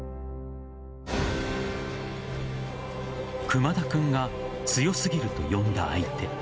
熊田君が強すぎると呼んだ相手。